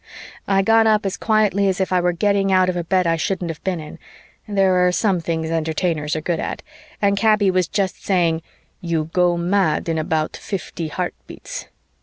I got up as quietly as if I were getting out of a bed I shouldn't have been in there are some things Entertainers are good at and Kaby was just saying "you go mad in about fifty heartbeats."